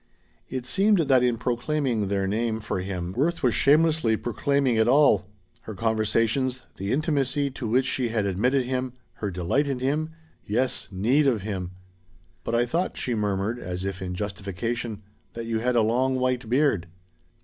It seemed that in proclaiming their name for him Worth was shamelessly proclaiming it all: her conversations, the intimacy to which she had admitted him, her delight in him yes, need of him. "But I thought," she murmured, as if in justification, "that you had a long white beard!"